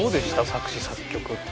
作詞・作曲って。